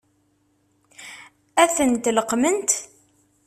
Ad tent-leqqment?